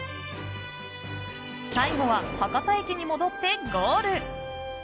最後は博多駅に戻ってゴール！